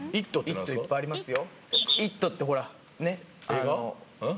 「イット」はいっぱいありますよ。